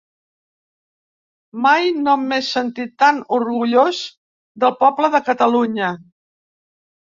Mai no m’he sentit tan orgullós del poble de Catalunya.